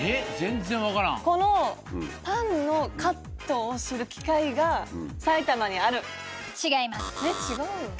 このパンのカットをする機械が埼玉にある。